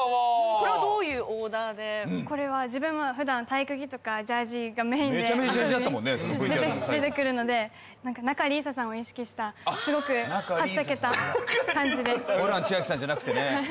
これはどういうオーダーでこれは自分は普段体育着とかジャージがメインでめちゃめちゃジャージだったもんね出てくるので仲里依紗さんを意識したすごくはっちゃけた感じでホラン千秋さんじゃなくてね